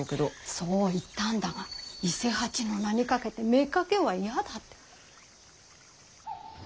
そう言ったんだが「伊勢八の名にかけて妾は嫌だ」って。